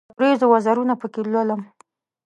د اوریځو وزرونه پکښې لولم